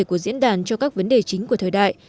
của diễn đàn cho các vấn đề chính của thời đại